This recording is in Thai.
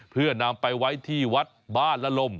เพื่อนำไปไว้ที่วัดบ้านละลม